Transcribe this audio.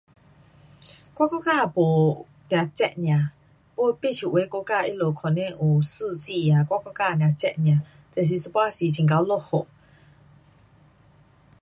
我国家没，只热尔，不像有的国家有可能有四季啊，我国家只热尔，就是一半时很会落雨。